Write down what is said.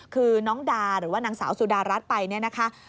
คือน้องดาหรือว่านางสาวสุดารัฐไปเนี่ยนะคะ